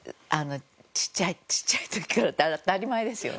ちっちゃいちっちゃい時からって当たり前ですよね。